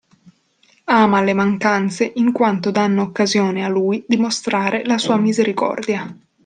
Ama le mancanze in quanto danno occasione a Lui di mostrare la sua misericordia.